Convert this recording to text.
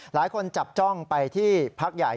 หลายคนจับจ้องไปที่พักใหญ่